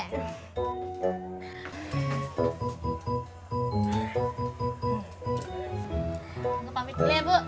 untuk pamit dulu ya bu